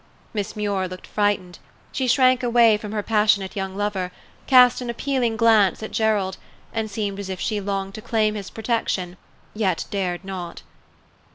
Miss Muir looked frightened; she shrank away from her passionate young lover, cast an appealing glance at Gerald, and seemed as if she longed to claim his protection yet dared not.